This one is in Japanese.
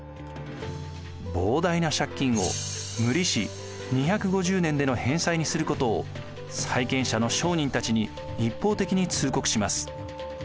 膨大な借金を無利子２５０年での返済にすることを債権者の商人たちに一方的に通告します。